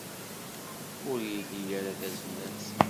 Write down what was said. Ur ili ara tazmert.